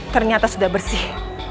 ternyata sudah bersih